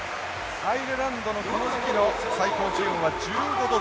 アイルランドのこの時期の最高気温は１５度前後。